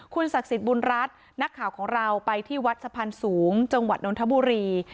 ศักดิ์สิทธิ์บุญรัฐนักข่าวของเราไปที่วัดสะพานสูงจังหวัดนทบุรี